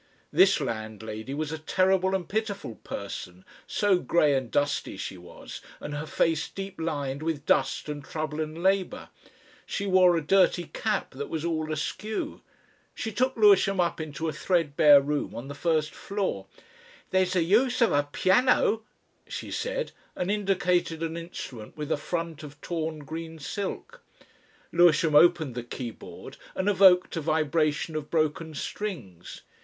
This landlady was a terrible and pitiful person, so grey and dusty she was, and her face deep lined with dust and trouble and labour. She wore a dirty cap that was all askew. She took Lewisham up into a threadbare room on the first floor, "There's the use of a piano," she said, and indicated an instrument with a front of torn green silk. Lewisham opened the keyboard and evoked a vibration of broken strings.